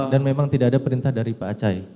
dan memang tidak ada perintah dari pak acay